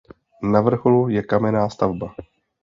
Na vrcholu je kamenná stavba.